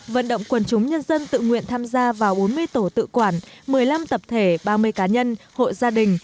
vận động quần chúng nhân dân tự nguyện tham gia vào bốn mươi tổ tự quản một mươi năm tập thể ba mươi cá nhân hộ gia đình